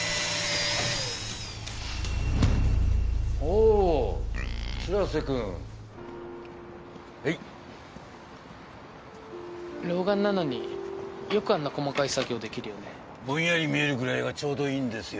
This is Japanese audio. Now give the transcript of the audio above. おお白瀬くんはい老眼なのによくあんな細かい作業できるよねぼんやり見えるぐらいがちょうどいいんですよ